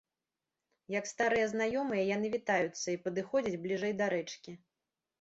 Як старыя знаёмыя яны вітаюцца і падыходзяць бліжэй да рэчкі.